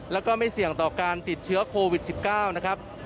แล้วก็ไม่เสี่ยงต่อการติดเชื้อโควิด๑๙นะครับ